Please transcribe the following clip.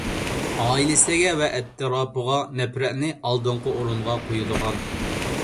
ئائىلىسىگە ۋە ئەتراپىغا نەپرەتنى ئالدىنقى ئورۇنغا قويىدىغان.